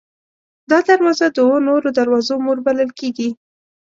دا دروازه د اوو نورو دروازو مور بلل کېږي.